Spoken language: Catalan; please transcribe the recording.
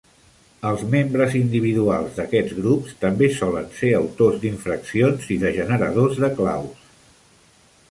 Els membres individuals d'aquests grups també solen ser autors d'infraccions i de generadors de claus.